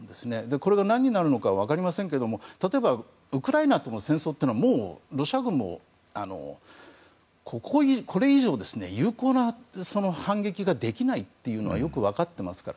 これが何になるのか分かりませんけれども例えば、ウクライナとの戦争はもうロシア軍もこれ以上、有効な反撃ができないというのはよく分かってますから